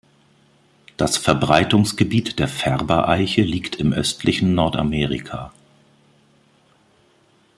Das Verbreitungsgebiet der Färber-Eiche liegt im östlichen Nordamerika.